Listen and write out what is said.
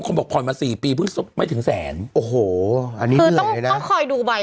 บอกผ่อนมาสี่ปีเพิ่งไม่ถึงแสนโอ้โหอันนี้คือต้องต้องคอยดูใบ